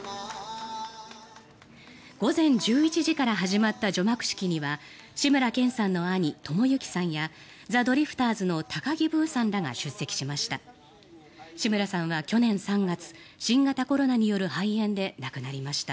午前１１時から始まった除幕式には志村けんさんの兄知之さんやザ・ドリフターズの高木ブーさんらが出席しました。